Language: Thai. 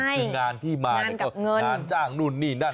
ใช่คืองานที่มาต์งานกับเงินก็งานจ้างนู่นนี่นั่น